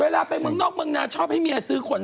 เอาอยู่บ้านก็ผันแบบนี้เหรอ